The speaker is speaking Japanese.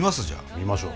見ましょう。